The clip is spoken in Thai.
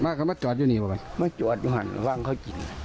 มันก็มันจอดอยู่นี่ไหมมันจอดอยู่หน่อย